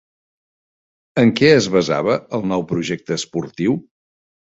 En què es basava el nou projecte esportiu?